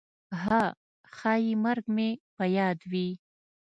«ها… ښایي څوک مې په یاد وي!»